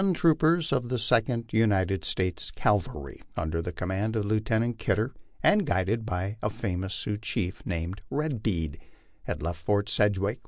71 troopers of the Second United States Cavalry, under command of Lieutenant Kid der and guided by a famous Sioux chief Red Bead, had left Fort Sedgwic .